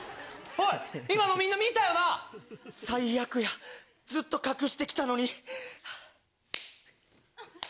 おい今のみんな見たよな⁉最悪やずっと隠してきたのに。